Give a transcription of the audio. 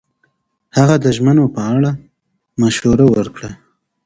هغه د ژمنو په اړه مشوره ورکړه.